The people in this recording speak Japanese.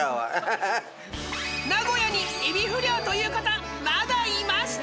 名古屋に「エビフリャー」と言う方まだいました！